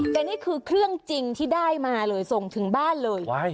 แต่นี่คือเครื่องจริงที่ได้มาเลยส่งถึงบ้านเลย